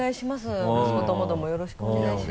息子ともどもよろしくお願いします